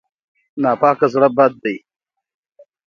ناپاک زړه بد دی.